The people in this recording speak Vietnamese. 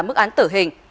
tài án tử hình